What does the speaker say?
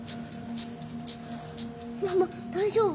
ママ大丈夫？